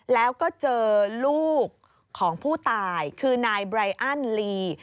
แล้วก็เจอลูกของผู้ตายคือนายไบรอันลี